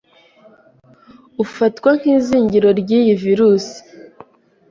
ufatwa nk'izingiro ry'iyi virus